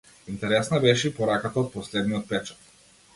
Интересна беше и пораката од последниот печат.